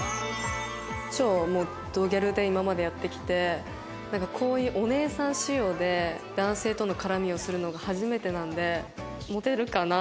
超もうどギャルで今までやってきてなんかこういうお姉さん仕様で男性との絡みをするのが初めてなんでモテるかな？